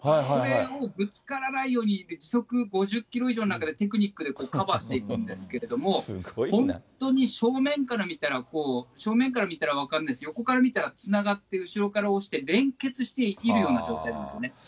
それをぶつからないように、時速５０キロ以上の中で、テクニックでカバーしていくんですけれども、本当に正面から見たら、こう、正面から見たら分かるんですけど、横から見たらつながって、後ろから押して、連結していきるような状態なんですよね。